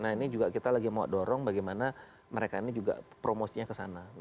nah ini juga kita lagi mau dorong bagaimana mereka ini juga promosinya ke sana